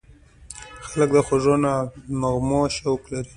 خلک د خوږو نغمو شوق لري.